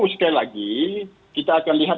sekali lagi kita akan lihat